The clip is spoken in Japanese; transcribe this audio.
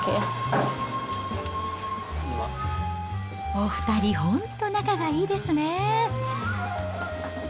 お２人、本当、仲がいいですね。